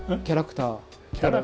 キャラクター。